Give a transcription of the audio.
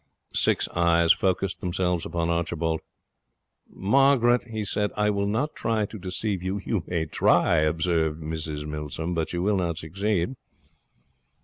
Six eyes focused themselves upon Archibald. 'Margaret,' he said, 'I will not try to deceive you ' 'You may try,' observed Mrs Milsom, 'but you will not succeed.'